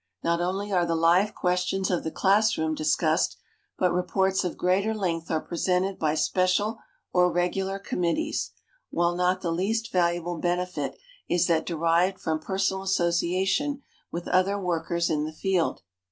Not only are the live questions of the classroom discussed, but reports of greater length are presented by special or regular committees; while not the least valuable benefit is that derived from personal association with other workers in the field.